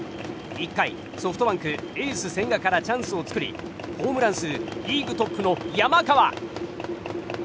１回、ソフトバンクエース千賀からチャンスを作りホームラン数リーグトップの山川。